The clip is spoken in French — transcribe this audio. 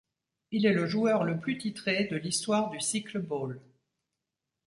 Il est le joueur le plus titré de l'histoire du cycle-ball.